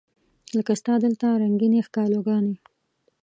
لکه ستا دلته رنګینې ښکالو ګانې